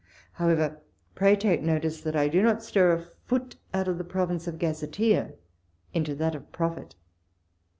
However, pray take notice that I do not stir a foot out of the province of gazetteer into that of prophet.